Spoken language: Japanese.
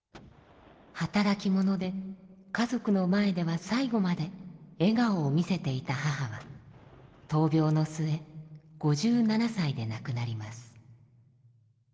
働き者で家族の前では最期まで笑顔を見せていた母は闘病の末５７歳で亡くなります。